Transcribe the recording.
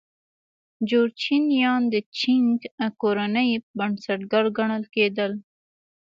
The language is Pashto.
جورچنیان د چینګ کورنۍ بنسټګر ګڼل کېدل.